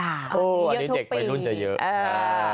อันนี้เยอะทุกปีอันนี้เด็กไปดุ้นจะเยอะอ่า